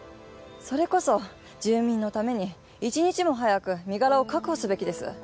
それこそ住民のために１日も早く身柄を確保すべきです。